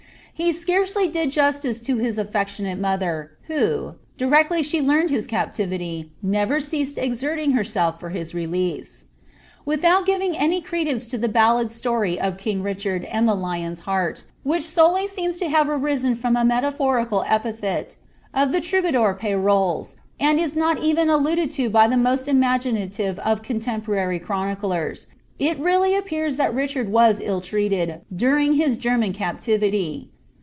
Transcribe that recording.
■icely did justice lo his aiTectioiiate uiuiher, who, direcdy she b captivity, never ceased exerting herself for his release. It giving any credence to ilie ballad story of king Richard and !• heart, which solely seems to have arisen from a meiaphorictil of the iroubfulour Fej rols,' iind is not even alluded lo by the fuginative of contemporary chroniclers, it really appears thai [ was ill treated, during his German captivity.